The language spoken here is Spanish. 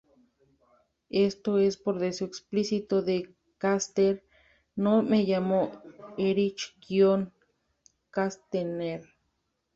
Esto es por deseo explícito de Kästner: "No me llamo Erich Guion Kästner".